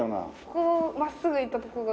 こう真っすぐいった所が。